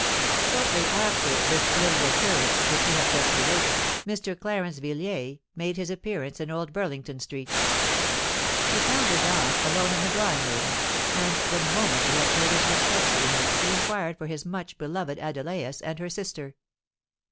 Shortly after this little occurrence which we have just related, Mr. Clarence Villiers made his appearance in Old Burlington Street. He found his aunt alone in the drawing room; and, the moment he had paid his respects to her, he inquired for his much beloved Adelais and her sister.